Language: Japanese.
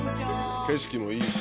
景色もいいし。